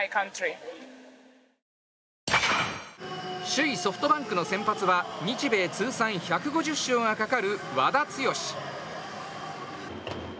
首位ソフトバンクの先発は日米通算１５０勝がかかる和田毅。